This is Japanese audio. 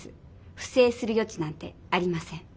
不正するよ地なんてありません。